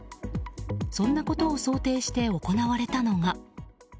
そんなことを想定して行われたのが。